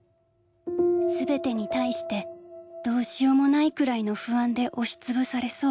「全てに対してどうしようもないくらいの不安で押しつぶされそう」。